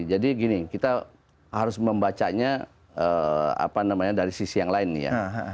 jadi gini kita harus membacanya dari sisi yang lain nih ya